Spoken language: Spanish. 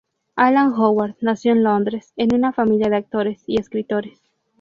Alan Howard nació en Londres en una familia de actores y escritores.